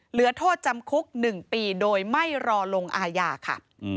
เหลือโทษจำคุก๑ปีโดยไม่รอลงอาญาค่ะ